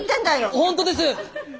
本当です！